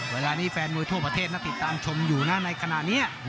เวลานี้แฟนมวยทั่วประเทศน่าติดตามชมอยู่นะในขณะนี้